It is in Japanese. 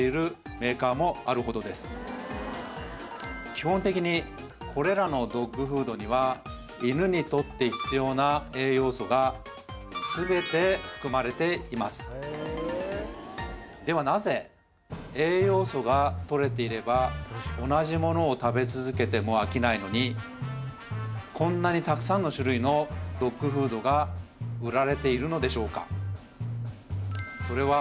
基本的にこれらのドッグフードには犬にとって必要な栄養素が全て含まれていますではなぜ栄養素がとれていれば同じものを食べ続けても飽きないのにこんなにたくさんの種類のドッグフードが売られているのでしょうか？